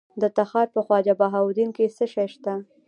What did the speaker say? د تخار په خواجه بهاوالدین کې څه شی شته؟